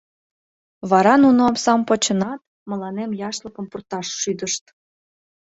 Вара нуно омсам почынат, мыланем яшлыкым пурташ шӱдышт.